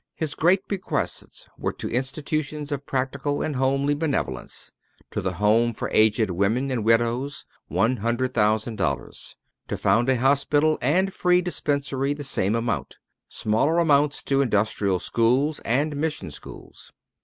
His great bequests were to institutions of practical and homely benevolence: to the Home for Aged Women and Widows, one hundred thousand dollars; to found a hospital and free dispensary, the same amount; smaller sums to industrial schools and mission schools.